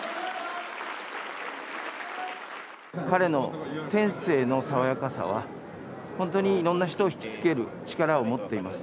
彼の天性の爽やかさは、本当にいろんな人を引きつける力を持っています。